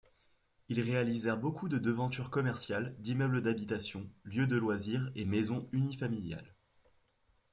Ils réalisèrent beaucoup de devantures commerciales, d’immeubles d’habitations, lieux de loisirs et maisons unifamiliales.